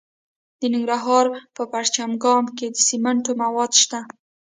د ننګرهار په پچیر اګام کې د سمنټو مواد شته.